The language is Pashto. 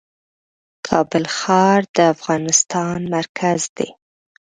کابل ښار د افغانستان مرکز دی .